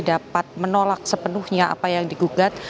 dapat menolak sepenuhnya apa yang digugat